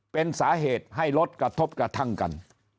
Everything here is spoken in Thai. เป็นสาเหตุให้รถกระทบกระทั่งกัน